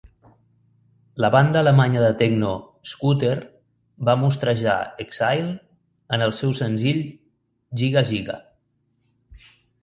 La banda alemanya de techno Scooter va mostrejar "Exile" en el seu senzill "Jigga Jigga!